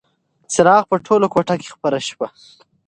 څراغ په ټوله کوټه کې خپره شوه.